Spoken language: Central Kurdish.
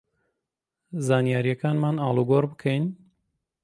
زانیارییەکانمان ئاڵوگۆڕ بکەین